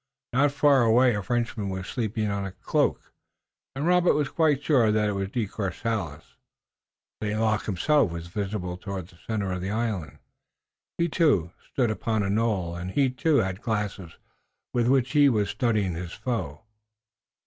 Not far away a Frenchman was sleeping on a cloak, and Robert was quite sure that it was De Courcelles. St. Luc himself was visible toward the center of the island. He, too, stood upon a knoll, and he, too, had glasses with which he was studying his foe.